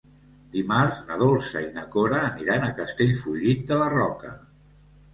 Dimarts na Dolça i na Cora aniran a Castellfollit de la Roca.